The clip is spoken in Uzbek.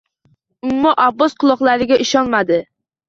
Ummu Abbos quloqlariga ishonmadi